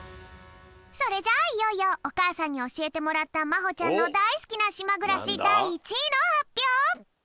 それじゃあいよいよおかあさんにおしえてもらったまほちゃんのだいすきなしまぐらしだい１いのはっぴょう！